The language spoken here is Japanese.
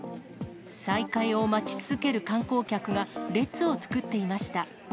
再開を待ち続ける観光客が列を作っていました。